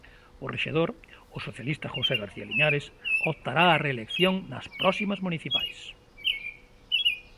O rexedor, o socialista José García Liñares, optará á reelección nas próximas municipais.